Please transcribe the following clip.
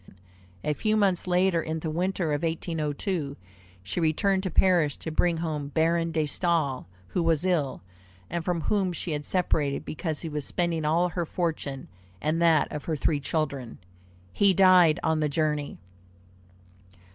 A few months later, in the winter of 1802, she returned to Paris to bring home Baron de Staël, who was ill, and from whom she had separated because he was spending all her fortune and that of her three children. He died on the journey.